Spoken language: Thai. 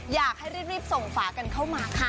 อยากให้รีบส่งฝากันเข้ามาค่ะ